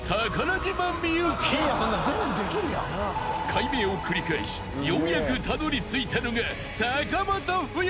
［改名を繰り返しようやくたどりついたのが］